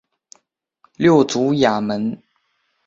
六足亚门。